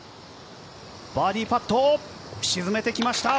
バーディーパット、沈めてきました。